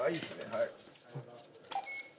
はい。